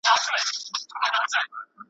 ولي به دا نه وایو ســالاره زنداباد